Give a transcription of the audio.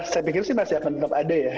saya pikir sih masih akan tetap ada ya